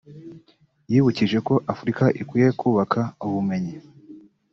yibukije ko Afurika ikwiye kubaka ubumenyi